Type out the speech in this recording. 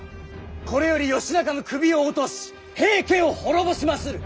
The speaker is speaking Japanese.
これより義仲の首を落とし平家を滅ぼしまする！